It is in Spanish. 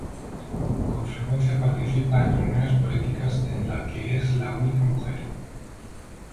Con frecuencia participa en reuniones políticas en la que es la única mujer.